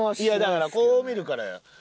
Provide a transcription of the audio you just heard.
いやだからこう見るからや。